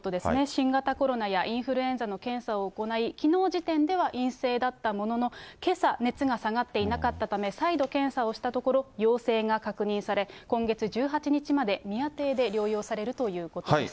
新型コロナやインフルエンザの検査を行い、きのう時点では陰性だったものの、けさ、熱が下がっていなかったため、再度検査をしたところ、陽性が確認され、今月１８日まで宮邸で療養されるということです。